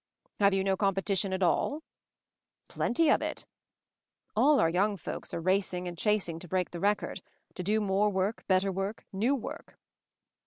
"Have you no competition at all?" "Plenty of it. All our young folks are? racing and chasing to break the record; to I do more work, better work, new work.